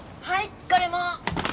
はい。